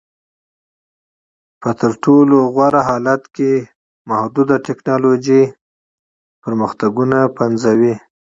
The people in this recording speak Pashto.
په تر ټولو غوره حالت کې محدود ټکنالوژیکي پرمختګونه پنځوي